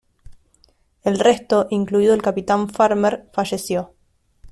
El resto, incluido el capitán Farmer, falleció.